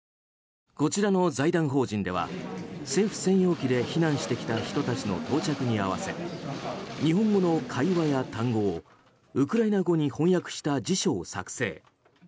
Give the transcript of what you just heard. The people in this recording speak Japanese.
こちらの財団法人では政府専用機で避難してきた人たちの到着に合わせ日本語の会話や単語をウクライナ語に翻訳した辞書を作成。